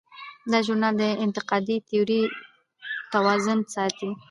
دا ژورنال د انتقادي تیورۍ توازن ساتي.